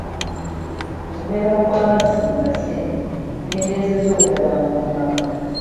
Okubeerawo kw'amazzi buli kaseera kukendeezezza obutabanguko mu maka.